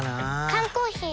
缶コーヒー